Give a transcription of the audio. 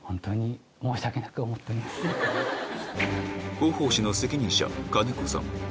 広報紙の責任者金子さん